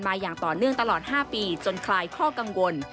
อย่างต่อเนื่องตลอด๕ปีจนคลายข้อกังวล